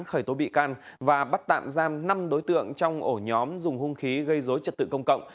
khởi tố bị can và bắt tạm giam năm đối tượng trong ổ nhóm dùng hung khí gây dối trật tự công cộng